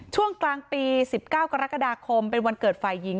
ช่วงกลางปี๑๙กรกฎาคมเป็นวันเกิดฝ่ายหญิง